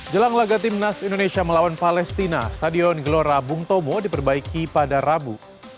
jelang laga timnas indonesia melawan palestina stadion gelora bung tomo diperbaiki pada rabu